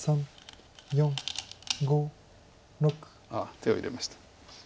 手を入れました。